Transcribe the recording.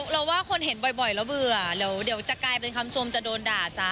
เราว่าคนเห็นบ่อยแล้วเบื่อเดี๋ยวจะกลายเป็นคำชมจะโดนด่าซะ